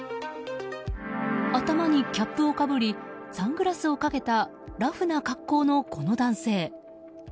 頭にキャップをかぶりサングラスをかけたラフな格好の、この男性。